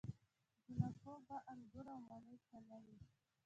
جانکو به انګور او مڼې تللې.